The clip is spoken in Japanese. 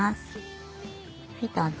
はいどうぞ。